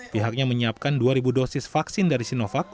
pihaknya menyiapkan dua dosis vaksin dari sinovac